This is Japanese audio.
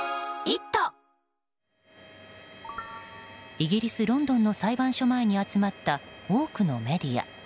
イギリス・ロンドンの裁判所前に集まった多くのメディア。